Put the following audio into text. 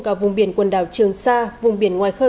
cả vùng biển quần đảo trường sa vùng biển ngoài khơi